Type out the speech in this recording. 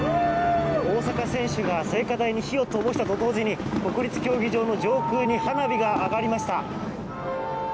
大坂選手が聖火台に火をともしたと同時に国立競技場の上空に花火が上がりました。